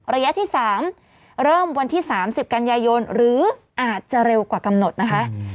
ระยะที่๓เริ่มวันที่๓๐กันยายนหรืออาจจะเร็วกว่ากำหนดนะคะ